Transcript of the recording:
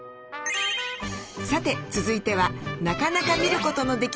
さて続いてはなかなか見ることのできない冷蔵庫。